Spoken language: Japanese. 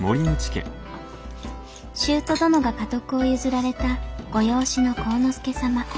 舅殿が家督を譲られたご養子の晃之助様。